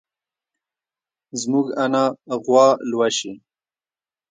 زموږ انا غوا لوسي.